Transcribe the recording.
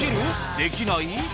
できない？